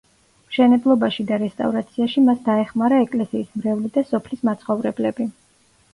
მშენებლობაში და რესტავრაციაში მას დაეხმარა ეკლესიის მრევლი და სოფლის მაცხოვრებლები.